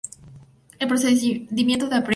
El procedimiento de apremio